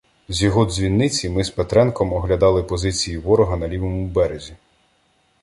З його дзвіниці ми з Петренком оглядали позиції ворога на лівому березі.